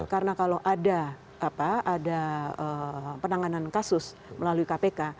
karena kalau ada penanganan kasus melalui kpk